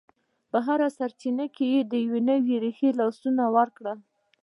هره چینه کې یې د نور رېښو لاسونه وکړه